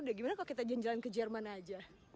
bagaimana kalau kita jalan jalan ke jerman saja